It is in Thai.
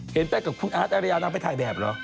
เห็นไปกับคุณอาร์รยานางไปถ่ายแบบเหรอ